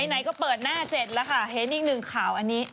ไหนก็เปิดหน้าเจ็ดแล้วค่ะเห็นอีกหนึ่งข่าวอันนี้